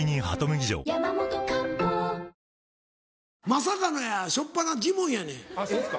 まさかのや初っぱなジモンやねん。